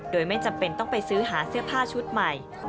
โดยไม่จำเป็นต้องไปซื้อหาเสื้อผ้าชุดใหม่